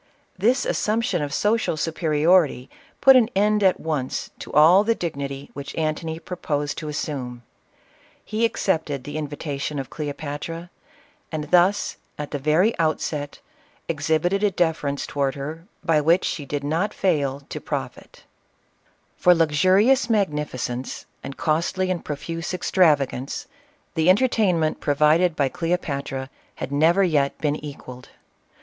This assumption of social superiority put an end at once to all the dignity which Antony purposed to as sume. He accepted the invitation of Cleopatra ; and thus, at the very outset, exhibited a deference toward her by which she did not fail to profit * Dryden's " All for Love,"— act UL 36 CLEOPATRA. For luxurious magnificence, and costly and profuse evtravagance, the entertainment provided by Cleopatra had never yet been equalled.